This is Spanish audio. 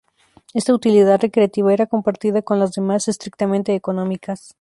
Esta utilidad recreativa era compartida con las demás estrictamente económicas.